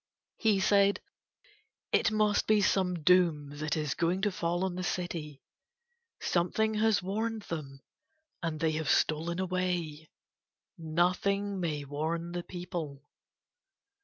He said: "It must be some doom that is going to fall on the city, something has warned them and they have stolen away. Nothing may warn the people."